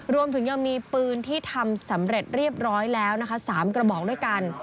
รวมถึงยังมีปืนที่ทำสำเร็จเรียบร้อยแล้วนะคะ๓กระบอกด้วยกัน